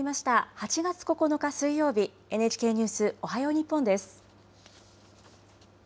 ８月９日水曜日、ＮＨＫニュースおはよう日本です。